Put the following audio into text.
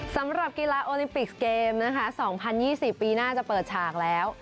สำหรับกีฬาโอลิมปิกเกมนะคะ๒๐๒๐ปีหน้าจะเปิดฉากแล้ว